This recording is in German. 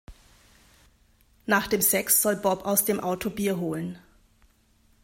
Nach dem Sex soll Bob aus dem Auto Bier holen.